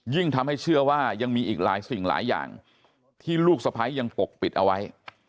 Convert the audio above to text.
ทำให้เชื่อว่ายังมีอีกหลายสิ่งหลายอย่างที่ลูกสะพ้ายยังปกปิดเอาไว้